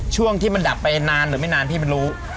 ช่วงที่มันดับไปนานหรือไม่นานพี่มันรู้